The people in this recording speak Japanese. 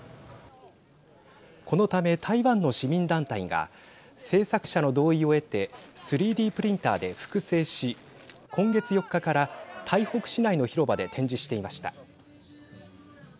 このため台湾の市民団体が制作者の同意を得て３Ｄプリンターで複製し今月４日から台北市内の広場で展示していました。